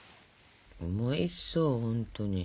おいしそうほんとに。